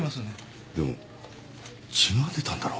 でも血が出たんだろ？